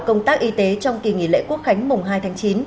công tác y tế trong kỳ nghỉ lễ quốc khánh mùng hai tháng chín